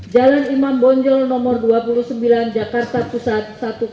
jalan imam bonjol nomor dua puluh sembilan jakarta pusat satu ratus sepuluh